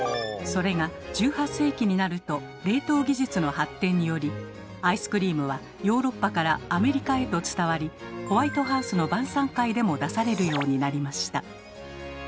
それが１８世紀になると冷凍技術の発展によりアイスクリームはヨーロッパからアメリカへと伝わりホワイトハウスの晩さん会でも出されるようになりました。